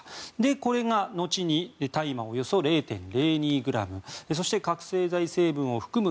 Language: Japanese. これが後に大麻およそ０．０２ｇそして覚醒剤成分を含む